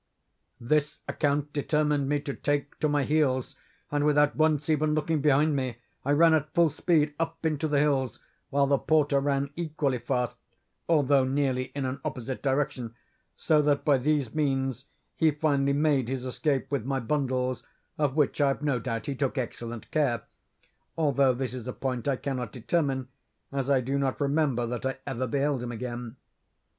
"This account determined me to take to my heels, and, without once even looking behind me, I ran at full speed up into the hills, while the porter ran equally fast, although nearly in an opposite direction, so that, by these means, he finally made his escape with my bundles, of which I have no doubt he took excellent care—although this is a point I cannot determine, as I do not remember that I ever beheld him again.